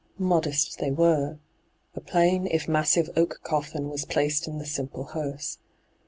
Modest fchey were. A plain if massive oak coflfin was placed in the simple hearse.